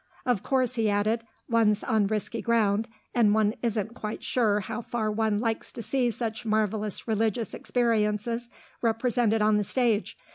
"Of course," he added, "one's on risky ground, and one isn't quite sure how far one likes to see such marvellous religious experiences represented on the stage.